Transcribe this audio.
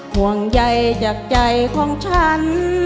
ห่วงใยจากใจของฉัน